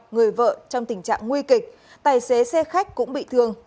người vợ trong tình trạng nguy kịch tài xế xe khách cũng bị thương